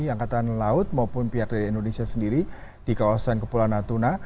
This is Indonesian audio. angkatan laut maupun pihak dari indonesia sendiri di kawasan kepulauan natuna